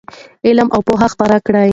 علم او پوهه خپره کړئ.